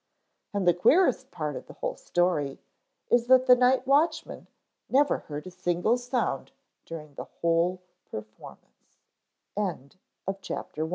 And the queerest part of the whole story is that the night watchman never heard a single sound during the whole perf